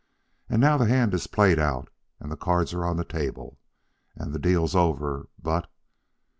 And now the hand is played out, and the cards are on the table, and the deal's over, but..."